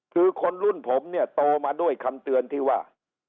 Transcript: คือคนรุ่นผมเนี่ยโตมาด้วยคำเตือนที่ว่า